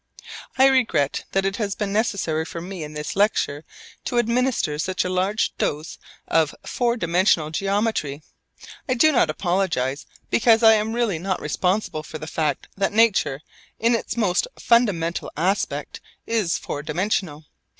I regret that it has been necessary for me in this lecture to administer such a large dose of four dimensional geometry. I do not apologise, because I am really not responsible for the fact that nature in its most fundamental aspect is four dimensional.